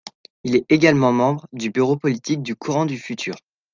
Elle est également membre du bureau politique du Courant du futur.